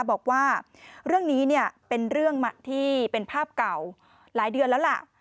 บอกว่าเรื่องนี้เนี่ยเป็นเรื่องที่เป็นภาพเก่าหลายเดือนแล้วล่ะ